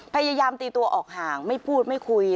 พยายามตีตัวออกห่างไม่พูดไม่คุย